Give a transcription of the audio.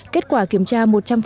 kết quả kiểm tra một trăm linh